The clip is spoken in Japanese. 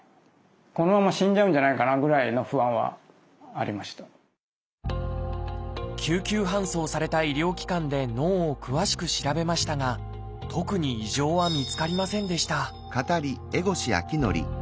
このまま救急搬送された医療機関で脳を詳しく調べましたが特に異常は見つかりませんでした